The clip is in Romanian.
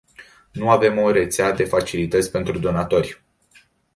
Nu avem o rețea de facilități pentru donatori.